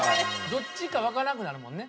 どっちかわからんくなるもんね。